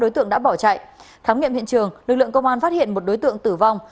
trong nghiệm hiện trường lực lượng công an phát hiện một đối tượng tử vong